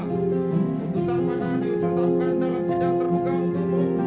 putusan mana diucutkan dalam sidang terbuka utuhmu